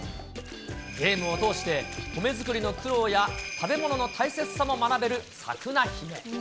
ゲームを通して、米作りの苦労や、食べ物の大切さも学べるサクナヒメ。